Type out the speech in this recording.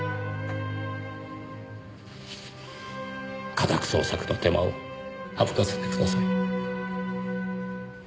家宅捜索の手間を省かせてください。